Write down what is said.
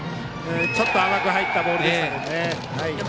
ちょっと甘く入ったボールでしたね。